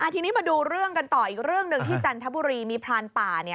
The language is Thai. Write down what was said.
ทีนี้มาดูเรื่องกันต่ออีกเรื่องหนึ่งที่จันทบุรีมีพรานป่า